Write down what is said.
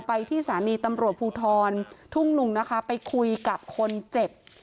ไปที่สถานีตำรวจภูทรทุ่งลุงนะคะไปคุยกับคนเจ็บ